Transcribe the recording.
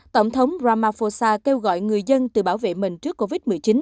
tổng thống ramaphosa kêu gọi người dân tự bảo vệ mình trước covid một mươi chín